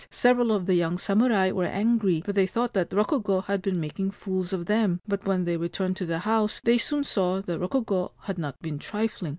Several of the young samurai were angry, for they thought that Rokugo had been making fools of them ; but when they returned to the house they soon saw that Rokugo had not been trifling.